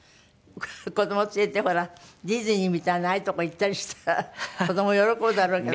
子ども連れてほらディズニーみたいなああいうとこ行ったりしたら子ども喜ぶだろうけど。